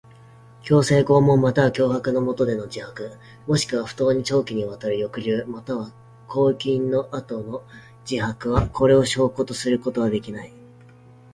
強制、拷問または脅迫のもとでの自白もしくは不当に長期にわたる抑留または拘禁の後の自白は、これを証拠とすることはできない。